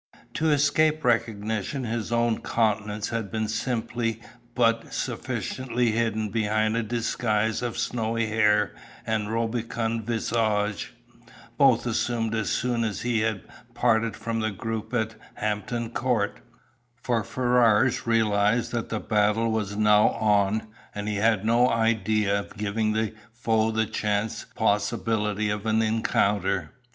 To escape recognition his own countenance had been simply but sufficiently hidden behind a disguise of snowy hair and rubicund visage, both assumed as soon as he had parted from the group at Hampton Court, for Ferrars realised that the battle was now on, and he had no idea of giving the foe the chance possibility of an encounter.